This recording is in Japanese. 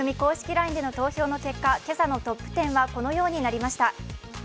ＬＩＮＥでの投票の結果、今朝のトップ１０はこのようになりました。